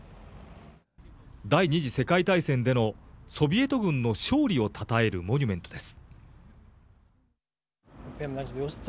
第２次世界大戦でのソビエト軍の勝利をたたえるモニュメントです。